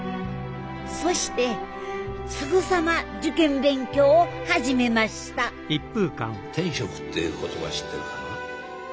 そしてすぐさま受験勉強を始めました天職っていう言葉知ってるかな？